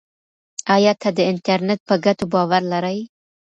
ایا ته د انټرنیټ په ګټو باور لرې؟